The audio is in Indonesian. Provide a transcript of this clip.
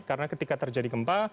karena ketika terjadi gempa